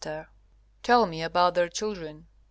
M. Tell me about their children.